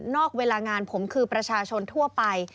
อกเวลางานผมคือประชาชนทั่วไป